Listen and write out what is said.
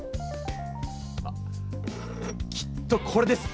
あきっとこれです！